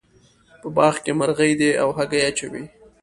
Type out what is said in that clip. په باغ کې مرغۍ دي او هګۍ اچوې